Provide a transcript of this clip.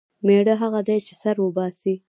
مېړه هغه دی چې سر وباسي.